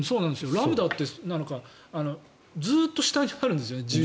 ラムダってずっと下にあるんですよね。